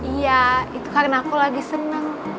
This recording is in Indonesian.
iya itu karena aku lagi senang